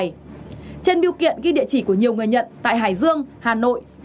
trên biểu kiện ghi địa chỉ của nhiều người nhận tại hải dương hà nội bình dương và thành phố